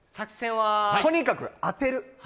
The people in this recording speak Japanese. とにかく当てる。